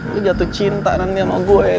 lo jatuh cinta nanti sama gue